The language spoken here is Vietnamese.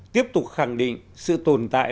tiếp tục khẳng định sự tồn tại